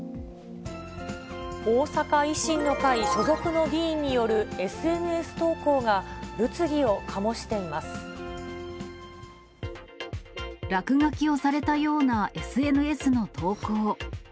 大阪維新の会所属の議員による、ＳＮＳ投稿が、落書きをされたようなＳＮＳの投稿。